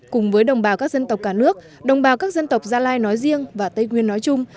cùng với đồng bào các dân tộc cả nước đồng bào các dân tộc gia lai nói riêng và tây nguyên nói chung